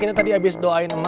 he'eh masuk dulu dong